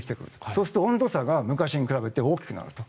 そうすると温度差が昔に比べて大きくなると。